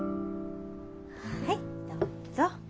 はいどうぞ。